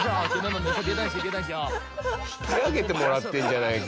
引き上げてもらってんじゃないか。